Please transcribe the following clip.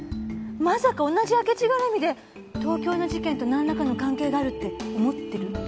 まさか同じ明智がらみで東京の事件となんらかの関係があるって思ってる？